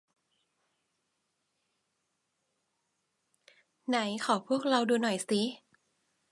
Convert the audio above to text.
ไหนขอพวกเราดูหน่อยสิ